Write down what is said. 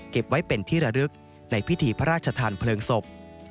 ไว้เป็นที่ระลึกในพิธีพระราชทานเพลิงศพ